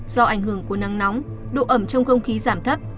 do ảnh hưởng của nắng nóng độ ẩm trong không khí giảm thấp